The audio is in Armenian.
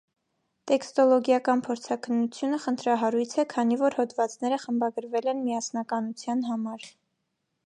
Տեքստոլոգիական փորձաքննությունը խնդրահարույց է, քանի որ հոդվածները խմբագրվել են միասնականության համար։